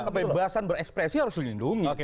kebebasan berekspresi harus dilindungi